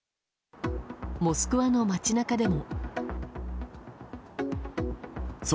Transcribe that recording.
モスクワの街中でも。